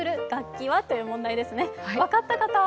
分かった方？